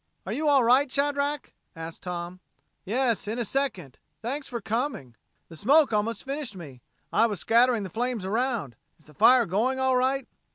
"Are you all right, Shadrack?" asked Tom. "Yes in a second. Thanks for coming. The smoke almost finished me. I was scattering the flames around. Is the fire going all right?"